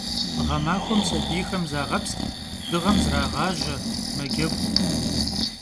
Ğemaxuem sabiyxem zağepsç', dığem zrağaje, mecegu.